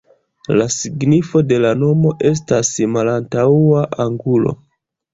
La signifo de la nomo estas "malantaŭa angulo".